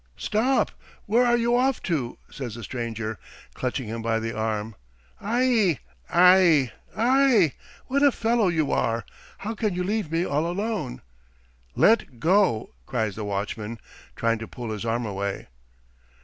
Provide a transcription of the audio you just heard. "Stop, where are you off to?" says the stranger, clutching him by the arm. "Aie, aie, aie ... what a fellow you are! How can you leave me all alone?" "Let go!" cries the watchman, trying to pull his arm away.